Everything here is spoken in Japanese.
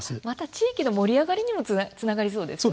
地域の盛り上がりにもつながりそうですね。